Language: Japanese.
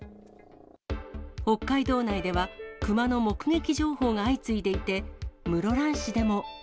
北海道内では、クマの目撃情報が相次いでいて、室蘭市でも。